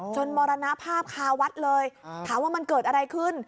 มรณภาพคาวัดเลยถามว่ามันเกิดอะไรขึ้น